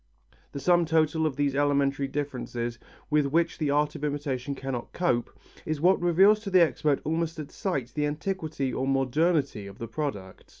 The sum total of these elementary differences with which the art of imitation cannot cope, is what reveals to the expert almost at sight the antiquity or modernity of the product.